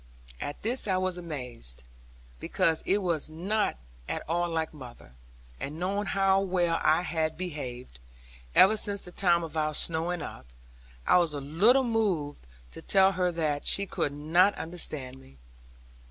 At this I was amazed, because it was not at all like mother; and knowing how well I had behaved, ever since the time of our snowing up, I was a little moved to tell her that she could not understand me.